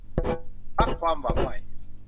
พรรคความหวังใหม่